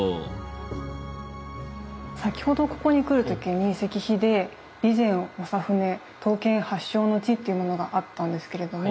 先ほどここに来る時に石碑で「備前長船刀剣発祥之地」っていうものがあったんですけれども。